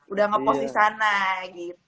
udah ngepost disana gitu